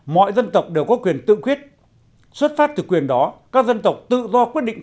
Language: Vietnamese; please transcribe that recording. mọi dân tộc đều có quyền tự quyết xuất phát từ quyền đó các dân tộc tự do quyết định